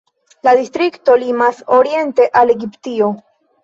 La distrikto limas oriente al Egiptio.